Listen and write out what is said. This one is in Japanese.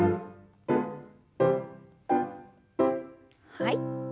はい。